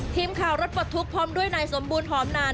ทีมข่าวรถปลดทุกข์พร้อมด้วยนายสมบูรณหอมนาน